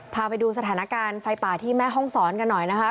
พาไปดูสถานการณ์ไฟป่าที่แม่ห้องศรกันหน่อยนะคะ